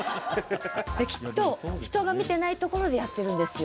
きっと人が見てないところでやってるんですよ。